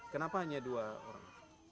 kenapa hanya dua orang